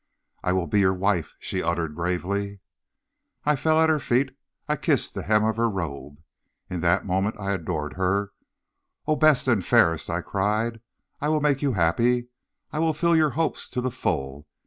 "'I will be your wife,' she uttered gravely. "I fell at her feet. I kissed the hem of her robe. In that moment I adored her. 'O best and fairest!' I cried, 'I will make you happy. I will fill your hopes to the full.